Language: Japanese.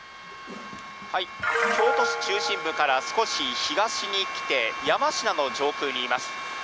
京都市中心部から少し東に来て、山科の上空にいます。